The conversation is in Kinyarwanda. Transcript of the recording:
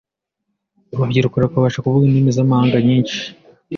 urubyiruko rukabasha kuvuga indimi zamahanga nyinshi